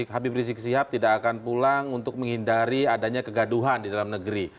habib rizik sihab tidak akan pulang untuk menghindari adanya kegaduhan di dalam negeri